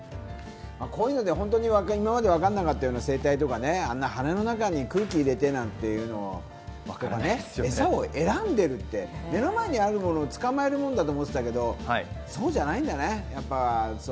こういうので、本当に今までわからなかった生態とかね、羽の中に空気入れて、なんていうのをね、エサを選んでるって、目の前にあるものを捕まえるものだと思ってたけど、そうじゃないんだね。